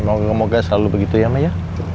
moga moga selalu begitu ya maya